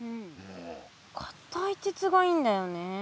硬い鉄がいいんだよね。